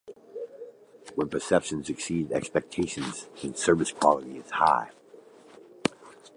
When perceptions exceed expectations then service quality is high.